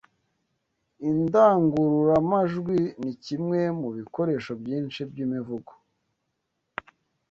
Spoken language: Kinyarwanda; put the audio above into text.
Indangururamajwi ni kimwe mu bikoresho byinshi by’imivugo